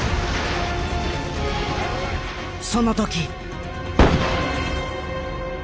その時。